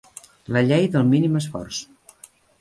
La llei del mínim esforç.